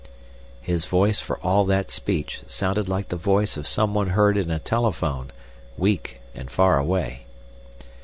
His voice for all that speech sounded like the voice of someone heard in a telephone, weak and far away.